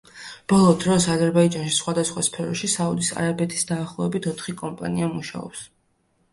ბოლო დროს, აზერბაიჯანში სხვადასხვა სფეროში საუდის არაბეთის დაახლოებით ოთხი კომპანია მუშაობს.